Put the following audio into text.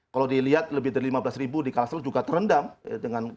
kalau dilihat lebih dari lima belas ribu di kalsel juga terendam